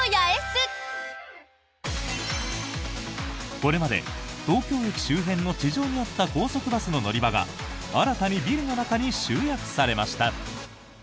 これまで東京駅周辺の地上にあった高速バスの乗り場が新たにビルの中に集約されました。